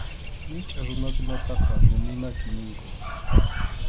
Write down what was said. Michʼa runakunataqa rumi maki ninku.